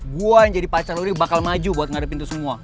gue yang jadi pacar lo ini bakal maju buat ngadepin itu semua